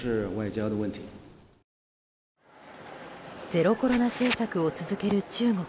ゼロコロナ政策を続ける中国。